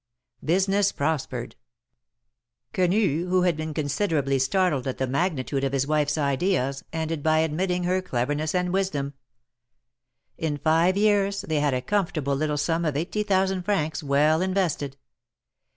Business prospered. Quenu, who had been consider ably startled at the magnitude of his wife's ideas, ended by admitting her cleverness and wisdom. In five years they had a comfortable little sum of eighty thousand francs well invested.